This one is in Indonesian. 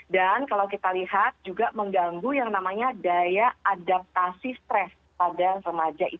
dan kalau kita lihat juga mengganggu yang namanya daya adaptasi stres pada remaja